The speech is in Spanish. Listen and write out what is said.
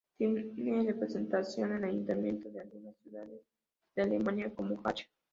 Tiene representación en ayuntamientos de algunas ciudades de Alemania, como Halle.